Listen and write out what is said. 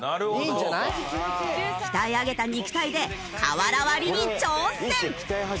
鍛え上げた肉体で瓦割りに挑戦！